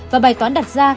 và bài toán đặt ra